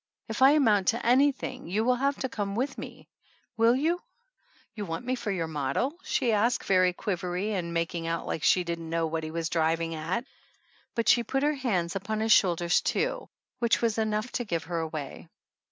If I amount to anything you will have to come with me will you?" "You want me for your model?" she asked very quivery and making out like she didn't 118 THE ANNALS OF ANN know what he was driving at, but she put her hands up on his shoulders too, which was enough to give her away.